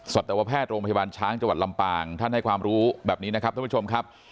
สัตวแพทย์โรงพยาบาลช้างจังหวัดลำปางท่านให้ความรู้แบบนี้นะครับท่านผู้ชมครับ